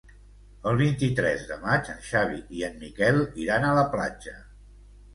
El vint-i-tres de maig en Xavi i en Miquel iran a la platja.